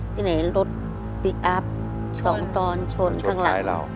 ที่ไหนรถพลิกอัพสองตอนชนข้างหลัง